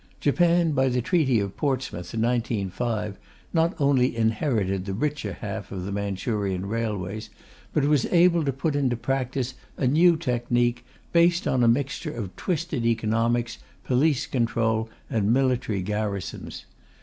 Japan, by the Treaty of Portsmouth in 1905, not only inherited the richer half of the Manchurian railways, but was able to put into practice a new technique, based on a mixture of twisted economics, police control, and military garrisons.